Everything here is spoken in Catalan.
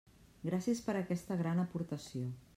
Gràcies per aquesta gran aportació.